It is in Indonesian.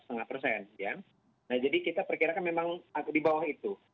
nah jadi kita perkirakan memang di bawah itu